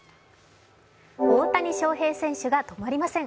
大谷翔平選手が止まりません。